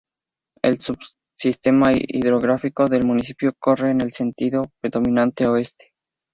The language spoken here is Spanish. El subsistema hidrográfico del Municipio corre en el sentido predominante Oeste.